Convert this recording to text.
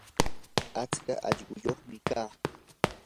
atska allquyuqmi kaa.